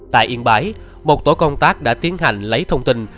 tại yên bái một tổ công tác đã tiến hành lấy thông tin